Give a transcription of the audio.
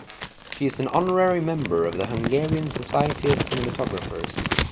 She is an Honorary Member of the Hungarian Society of Cinematographers.